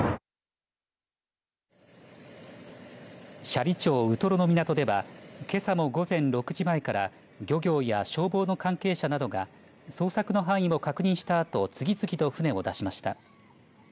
斜里町ウトロの港ではけさも午前６時前から漁業や消防の関係者などが捜索の範囲を確認したあと次々と船を出しました。